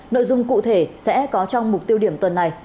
nội dung cụ thể sẽ có trong mục tiêu điểm tuần này